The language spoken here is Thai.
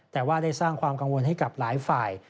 แต่ว่าได้สร้างความกังวลให้กับหลายฝ่าย